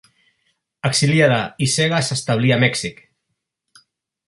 Exiliada i cega s'establí a Mèxic.